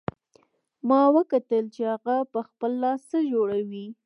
ما وکتل چې هغه په خپل لاس څه جوړوي